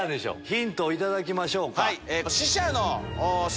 ヒントを頂きましょうか。